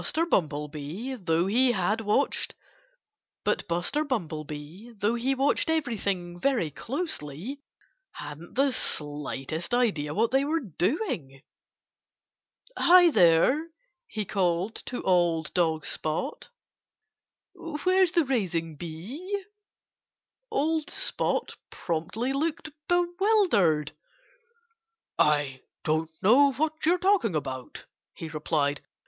But Buster Bumblebee though he watched everything very closely hadn't the slightest idea what they were doing. "Hi, there!" he called to old dog Spot. "Where's the raising bee?" Old Spot promptly looked bewildered. "I don't know what you're talking about," he replied.